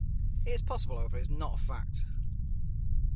It is possible however it is not a fact.